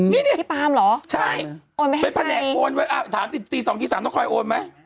นี่นี่ใช่เป็นแผนกโอนไว้ถามตี๒๓ต้องคอยโอนไหม